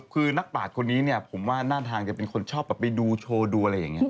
คือนักปาดคนนี้เนี่ยผมว่าหน้าทางจะเป็นคนชอบแบบไปดูโชว์ดูอะไรอย่างนี้